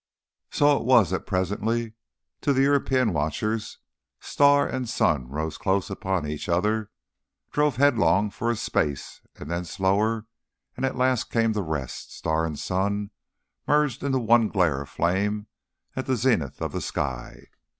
So it was that presently, to the European watchers, star and sun rose close upon each other, drove headlong for a space and then slower, and at last came to rest, star and sun merged into one glare of flame at the zenith of the sky.